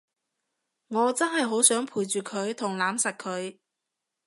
我真係好想陪住佢同攬實佢